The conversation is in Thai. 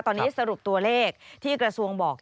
ตอนนี้สรุปตัวเลขที่กระทรวงบอก